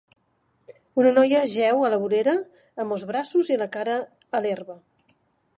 Una noia jeu a la vorera amb els braços i la cara a l'herba.